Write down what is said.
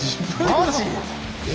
マジ？